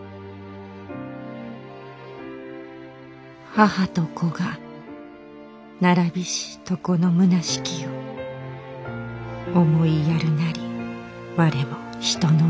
「母と子が並びし床の空しきを思いやるなりわれも人の親」。